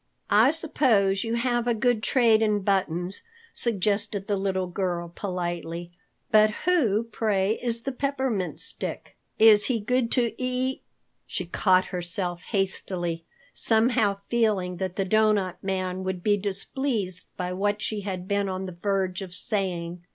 "I suppose you have a good trade in buttons," suggested the little girl politely. "But who, pray, is the Peppermint Stick? Is he good to e—" She caught herself hastily, somehow feeling that the Doughnut Man would be displeased by what she had been on the verge of saying.